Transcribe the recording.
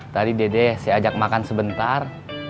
tadi dede saya ajak makan sebentar